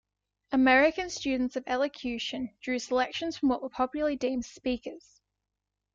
American students of elocution drew selections from what were popularly deemed Speakers.